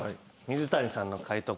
水谷さんの解答